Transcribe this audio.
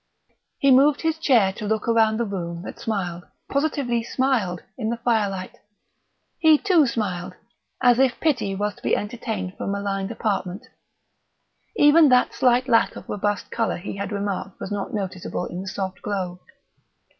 He moved his chair to look round the room that smiled, positively smiled, in the firelight. He too smiled, as if pity was to be entertained for a maligned apartment. Even that slight lack of robust colour he had remarked was not noticeable in the soft glow.